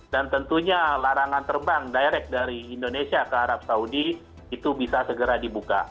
dan tentunya larangan terbang direct dari indonesia ke arab saudi itu bisa segera dibuka